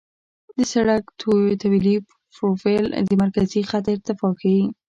د سړک طولي پروفیل د مرکزي خط ارتفاع ښيي